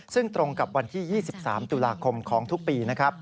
ซึ่งตรงกับวันที่๒๓ตุลาคมของทุกปีนะครับ